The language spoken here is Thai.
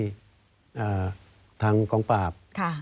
โดยทางกองปราป